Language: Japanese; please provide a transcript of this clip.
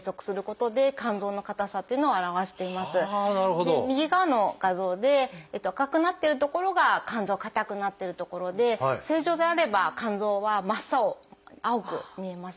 で右側の画像で赤くなってる所が肝臓硬くなっている所で正常であれば肝臓は真っ青青く見えます。